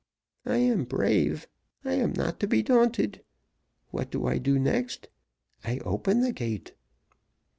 I am brave I am not to be daunted. What do I do next? I open the gate.